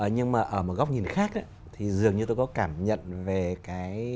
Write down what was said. nhưng mà ở một góc nhìn khác thì dường như tôi có cảm nhận về cái